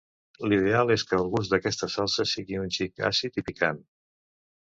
L'ideal és que el gust d'aquesta salsa sigui un xic àcid i picant.